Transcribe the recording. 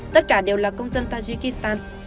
tất cả đều là công dân tajikistan